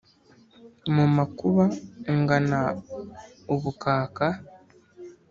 Mu makuba ungana ubukaka